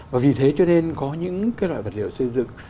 và vì thế cho nên có những cái loại vật liệu xây dựng